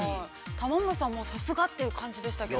◆玉森さん、さすがという感じでしたけど。